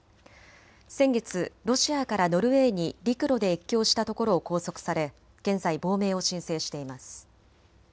先月、ロシアからノルウェーに陸路で越境したところを拘束され現在、亡命を申請しています。